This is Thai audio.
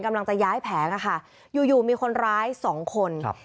กำลังจะย้ายแผงอะค่ะอยู่อยู่มีคนร้ายสองคนครับ